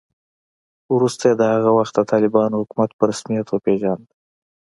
وروسته یې د هغه وخت د طالبانو حکومت په رسمیت وپېژاند